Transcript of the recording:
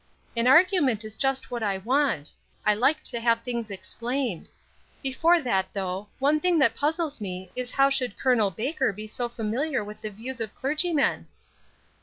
"An argument is just what I want; I like to have things explained. Before that, though, one thing that puzzles me is how should Col. Baker be so familiar with the views of clergymen?"